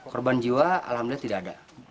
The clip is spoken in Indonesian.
korban jiwa alhamdulillah tidak ada